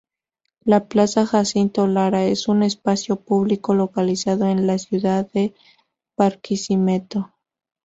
La Plaza Jacinto Lara es un espacio público localizado en la ciudad de Barquisimeto.